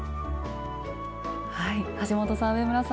橋本さん上村さん